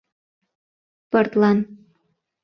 — Пыртлан...